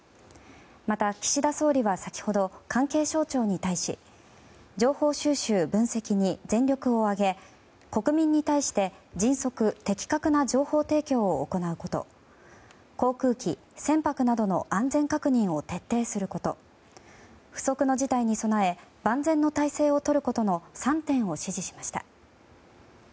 また、岸田総理は先ほど関係省庁に対し情報収集・分析に全力を挙げ国民に対して迅速・的確な情報提供を行うこと航空機、船舶などの安全確認を徹底すること不測の事態に備え万全の態勢をとることの３点を指示しました。